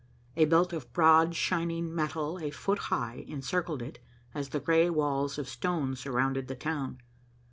A belt of broad, shining metal a foot high encircled it as the gray walls of stone surround the town.